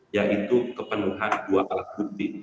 yaitu kepenuhan dua balas buku